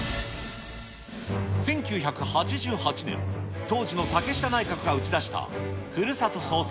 １９８８年、当時の竹下内閣が打ち出したふるさと創生